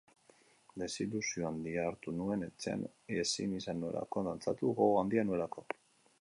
Desilusio handia hartu nuen etxean ezin izan nuelako dantzatu, gogo handia nuelako.